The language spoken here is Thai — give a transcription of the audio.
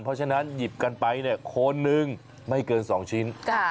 เพราะฉะนั้นหยิบกันไปคนหนึ่งไม่เกินสองชิ้น